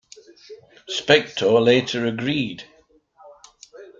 Spector later agreed.